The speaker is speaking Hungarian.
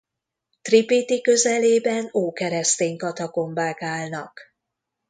Tripiti közelében ókeresztény katakombák állnak.